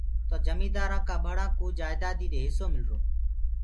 تو جميٚندآرانٚ ڪا ٻڙا ڪوُ جائيٚدادي هِسو مِلرو۔